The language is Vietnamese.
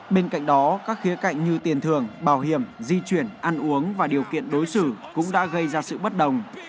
bên cạnh đó các khía cạnh như tiền thường bảo hiểm di chuyển ăn uống và điều kiện đối xử cũng đã gây ra sự bất đồng